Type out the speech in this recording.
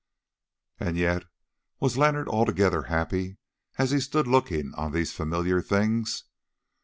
And yet, was Leonard altogether happy as he stood looking on these familiar things?